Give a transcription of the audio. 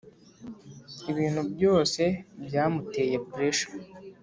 ibintu byose byamuteye pressure